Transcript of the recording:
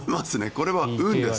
これは運です。